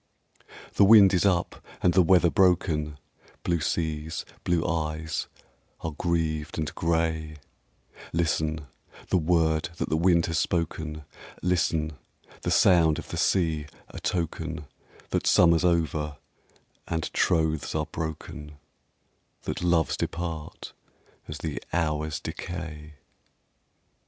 The wind is up, and the weather broken, Blue seas, blue eyes, are grieved and grey, Listen, the word that the wind has spoken, Listen, the sound of the sea,—a token That summer's over, and troths are broken,— That loves depart as the hours decay.